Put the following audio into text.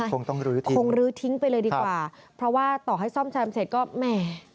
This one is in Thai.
คงต้องลื้อต่อคงลื้อทิ้งไปเลยดีกว่าเพราะว่าต่อให้ซ่อมแซมเสร็จก็แหม